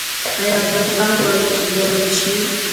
ایا ملا بانګ غواړي چې بیا ویده شي؟